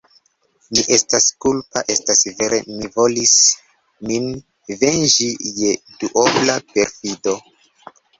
Mi estas kulpa; estas vere: mi volis min venĝi je duobla perfido.